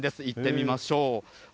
行ってみましょう。